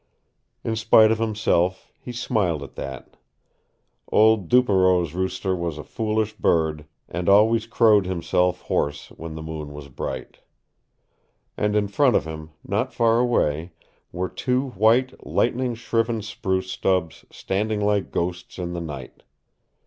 In spite of himself he smiled at that. Old Duperow's rooster was a foolish bird and always crowed himself hoarse when the moon was bright. And in front of him, not far away, were two white, lightning shriven spruce stubs standing like ghosts in the night.